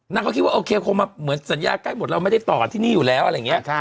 เขาคิดว่าโอเคคงมาเหมือนสัญญาใกล้หมดเราไม่ได้ต่อที่นี่อยู่แล้วอะไรอย่างนี้